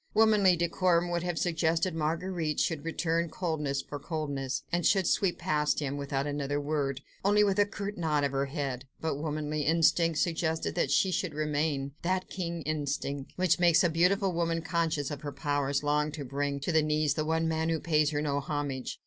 Womanly decorum would have suggested that Marguerite should return coldness for coldness, and should sweep past him without another word, only with a curt nod of the head: but womanly instinct suggested that she should remain—that keen instinct, which makes a beautiful woman conscious of her powers long to bring to her knees the one man who pays her no homage.